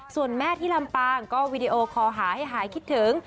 ส่วนแม่ที่ลำปางก็วีดีโอคอหาให้หายคิดถึง